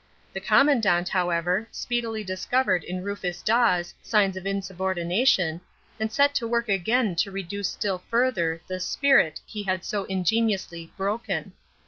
The Commandant, however, speedily discovered in Rufus Dawes signs of insubordination, and set to work again to reduce still further the "spirit" he had so ingeniously "broken".